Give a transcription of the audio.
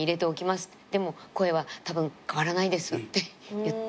でも声はたぶん変わらないですって。